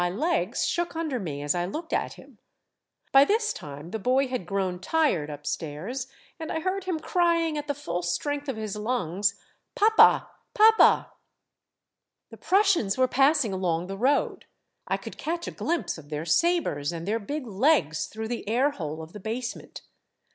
My legs shook under me as I looked at him. By this time, the boy had grown tired up stairs, and I heard him crying at the full strength of his lungs, ' Papa, papa !* Belisaires Prussian, 83 " The Prussians were passing along the road ; I could catch a glimpse of their sabres and their big legs through the air hole of the basement.